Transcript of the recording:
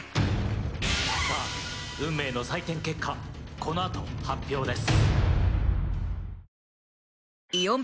さぁ運命の採点結果この後発表です。